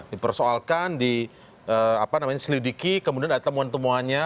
dipersoalkan di selidiki kemudian ada temuan temuannya